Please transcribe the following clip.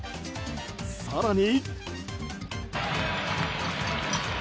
更に。